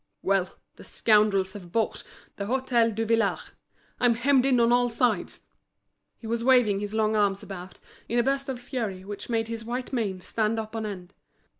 "Well! the scoundrels have bought the Hôtel Duvillard. I'm hemmed in on all sides!" He was waving his long arms about, in a burst of fury which made his white mane stand up on end.